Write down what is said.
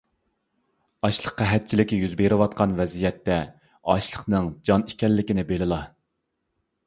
ئاشلىق قەھەتچىلىكى يۈز بېرىۋاتقان ۋەزىيەتتە، ئاشلىقنىڭ جان ئىكەنلىكىنى بىلىلا!